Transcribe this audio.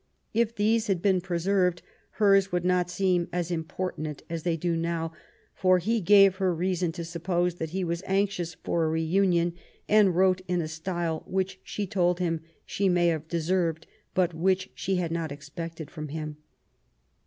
If these had been preserved, hers would not seem as importunate as they do now, for he gave her reason to suppose that he wa& anxious for a reunion, and wrote in a style which she told him she may have deserved, but which she had not expected from him.